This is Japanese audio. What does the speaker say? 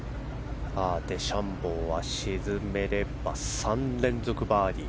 デシャンボーは沈めれば３連続バーディー。